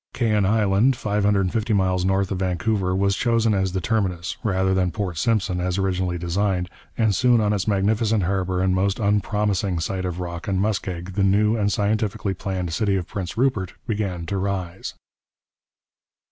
Kaien Island, 550 miles north of Vancouver, was chosen as the terminus, rather than Port Simpson as originally designed, and soon on its magnificent harbour and most unpromising site of rock and muskeg the new and scientifically planned city of Prince Rupert began to rise.